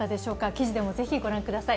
記事でも是非ご覧ください。